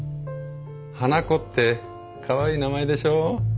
「花こ」ってかわいい名前でしょ？